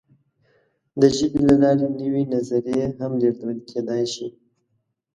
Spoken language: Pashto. د ژبې له لارې نوې نظریې هم لېږدول کېدی شي.